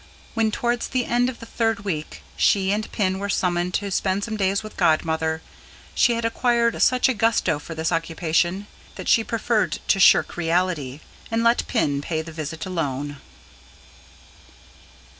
When, towards the end of the third week, she and Pin were summoned to spend some days with Godmother, she had acquired such a gusto for this occupation, that she preferred to shirk reality, and let Pin pay the visit alone.